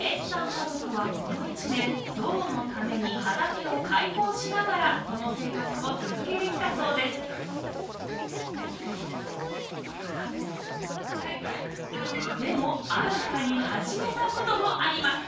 家族はこの１年ゾウのために畑を開墾しながらこの生活を続けてきたそうですでも新たに始めたこともあります